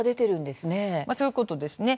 そういうことですね。